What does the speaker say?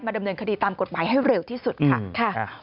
ดำเนินคดีตามกฎหมายให้เร็วที่สุดค่ะ